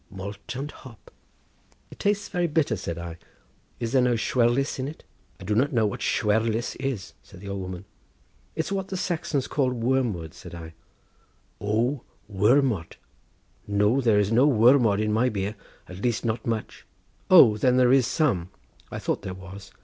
"Malt and hop." "It tastes very bitter," said I. "Is there no chwerwlys in it?" "I do not know what chwerwlys is," said the old woman. "It is what the Saxons call wormwood," said I. "O, wermod. No, there is no wermod in my beer, at least not much." "O, then there is some; I thought there was.